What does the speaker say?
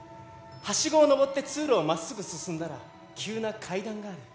梯子を上って通路を真っ直ぐ進んだら急な階段がある。